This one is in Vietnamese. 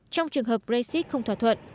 trong trường hợp brexit không thỏa thuận